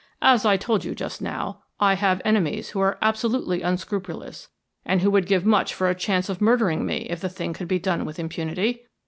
As I told you just now, I have enemies who are absolutely unscrupulous, and who would give much for a chance of murdering me if the thing could be done with impunity.